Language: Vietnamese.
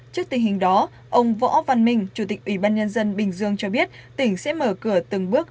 trước tình hình đó ông võ văn minh chủ tịch ủy ban nhân dân bình dương cho biết tỉnh sẽ mở cửa từng bước